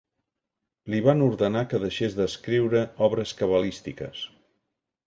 Li van ordenar que deixés d'escriure obres cabalístiques.